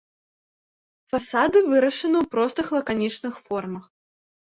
Фасады вырашаны ў простых лаканічных формах.